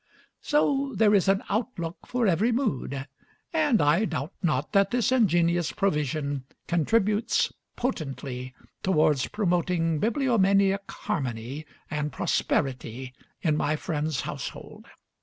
So there is an outlook for every mood, and I doubt not that this ingenious provision contributes potently towards promoting bibliomaniac harmony and prosperity in my friend's household.